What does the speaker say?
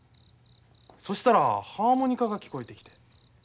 そしたらハーモニカが聞こえてきて。